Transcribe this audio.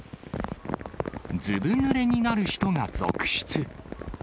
ずぶぬれになる人が続出。